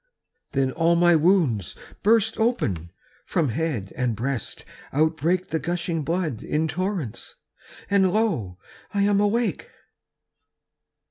Then all my wounds burst open, From head and breast outbreak The gushing blood in torrents And lo, I am awake!